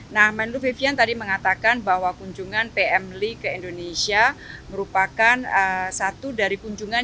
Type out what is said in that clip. nah mendu vivian tadi mengatakan bahwa kunjungan pm lee ke indonesia merupakan satu dari kunjungan